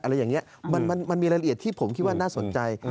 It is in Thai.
อะไรอย่างนี้มันมีรายละเอียดที่ผมคิดว่าน่าสนใจ